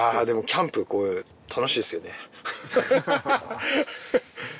キャンプ楽しいですよ